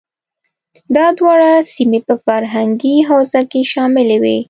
دا دواړه سیمې په فرهنګي حوزه کې شاملې وې.